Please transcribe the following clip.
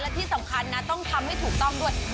และที่สำคัญนะต้องทำให้ถูกต้องด้วย